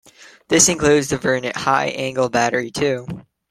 This includes the Verne High Angle Battery too.